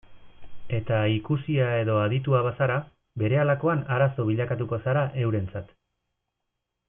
Eta ikusia edo aditua bazara, berehalakoan arazo bilakatuko zara eurentzat.